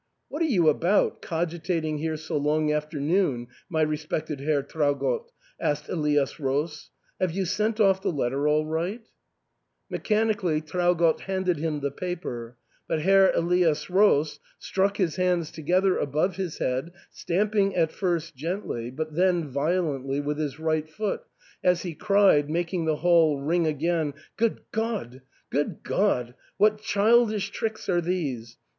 " What are you about, cogitating here so long after noon, my respected Herr Traugott ?" asked Elias Roos ;" have you sent off the letter all right ?" Mechanically Traugott handed him the paper ; but Herr Elias Roos struck his hands to gether above his head, stamping at first gently, but then violently, with his right foot, as he cried, making the hall ring again, "Good Grod ! Good God! what childish tricks are these